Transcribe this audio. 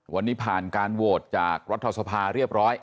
วันนี้ผ่านการโหวตจากรัฐสภาเรียบร้อย